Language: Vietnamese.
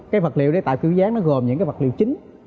cái vật liệu để tạo kiểu dáng nó gồm những cái vật liệu chính